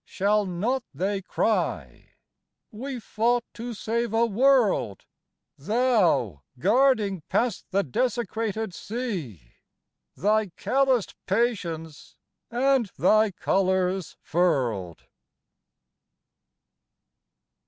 Shall not they cry : "We fought to save a world, Thou guarding past the desecrated sea Thy calloused patience and thy colors furled!"